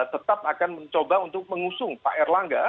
tetap akan mencoba untuk mengusung pak erlangga